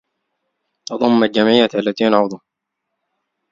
تضم الجمعية ثلاثين عضواً.